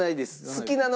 「好きなのは？」。